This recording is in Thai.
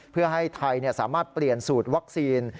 เพื่อให้ไทยสามารถเปลี่ยนสูตรวัคซีน